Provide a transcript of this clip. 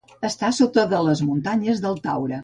Està sota de les muntanyes del Taure.